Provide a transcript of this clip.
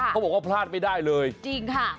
เขาบอกว่าพลาดไม่ได้เลยจริงค่ะ